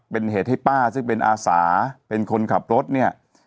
เป็นเหตุให้ป้าซึ่งเป็นอาสาเป็นคนขับรถเนี่ย